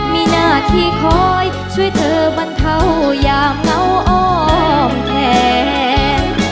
มีหน้าที่คอยช่วยเธอบรรเทายามเหงาอ้อมแทน